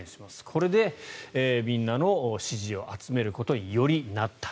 これでみんなの支持を集めることによりなった。